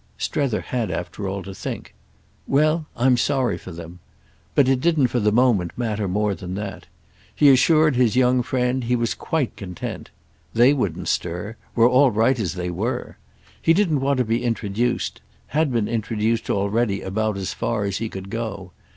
Strether had after all to think. "Well, I'm sorry for them." But it didn't for the moment matter more than that. He assured his young friend he was quite content. They wouldn't stir; were all right as they were. He didn't want to be introduced; had been introduced already about as far as he could go.